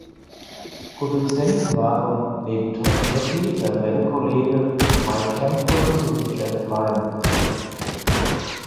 Produzenten waren neben Tom Petty sein Bandkollege Mike Campbell sowie Jeff Lynne.